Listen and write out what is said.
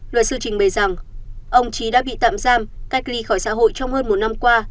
luật sư trình bày rằng ông trí đã bị tạm giam cách ly khỏi xã hội trong hơn một năm qua